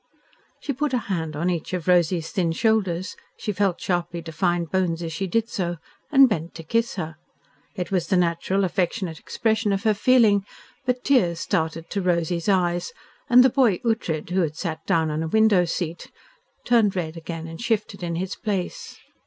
She put a hand on each of Rosy's thin shoulders she felt sharply defined bones as she did so and bent to kiss her. It was the natural affectionate expression of her feeling, but tears started to Rosy's eyes, and the boy Ughtred, who had sat down in a window seat, turned red again, and shifted in his place.